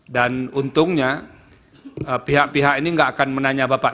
dan untungnya pihak pihak ini gak akan menanya bapak